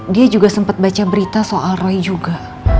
dia juga sempat baca berita soal roy juga